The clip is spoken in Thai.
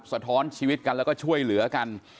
สะท้อนชีวิตกันแล้วก็ช่วยเหลือกัน